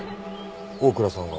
大倉さんは？